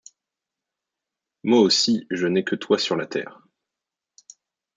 Moi aussi je n’ai que toi sur la terre.